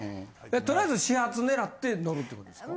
とりあえず始発狙って乗るってことでしょ？